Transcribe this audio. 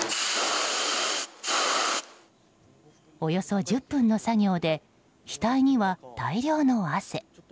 およそ１０分の作業で額には大量の汗。